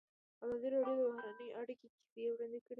ازادي راډیو د بهرنۍ اړیکې کیسې وړاندې کړي.